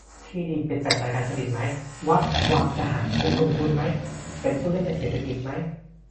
ที่ดินเป็นปัจจัยการผลิตไหม ? วัด วัง ทหาร เป็นกลุ่มทุนไหม เป็นผู้เล่นในเศรษฐกิจไหม